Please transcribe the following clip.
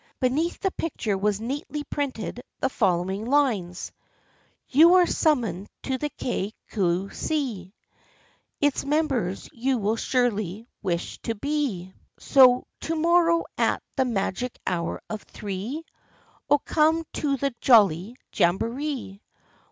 Beneath the picture were neatly printed the following lines :" You are summoned to the Kay Cue See. Its members you will surely wish to be, 52 THE FRIENDSHIP OF ANNE So to morrow at the magic hour of three Oh, come to the jolly jamboree